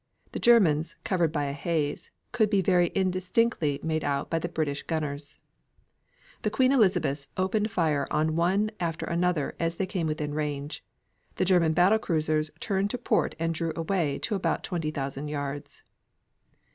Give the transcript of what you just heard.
The Germans, covered by a haze, could be very indistinctly made out by the British gunners. The Queen Elizabeths opened fire on one after another as they came within range. The German battle cruisers turned to port and drew away to about 20,000 yards.